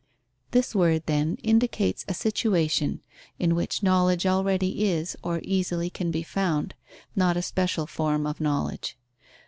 This word, then, indicates a situation in which knowledge already is, or easily can be found, not a special form of knowledge.